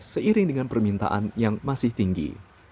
seiring dengan permintaan yang masih tinggi